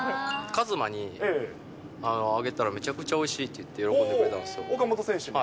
和真にあげたら、めちゃくちゃおいしいって言って、喜んでたんで岡本選手に。